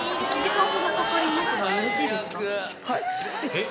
えっ？